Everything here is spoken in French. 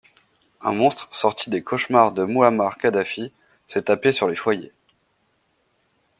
Un monstre sorti des cauchemars de Mouammar Kadhafi sait taper sur les foyers.